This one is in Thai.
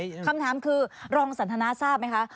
คำถามคือรองสันทนาทราบไหมคะ